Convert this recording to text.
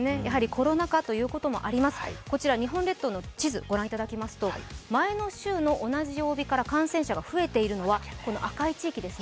コロナ禍ということもありますから、日本列島の地図を御覧いただきますと前の週の同じ曜日から感染が増えているのは赤い地域です。